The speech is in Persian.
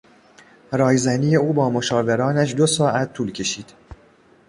رایزنی او با مشاورانش دو ساعت طول کشید.